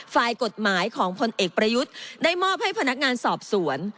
ฝ่ายกฎหมายของพลเอกประยุทธ์ได้มอบให้พนักงานสอบสวน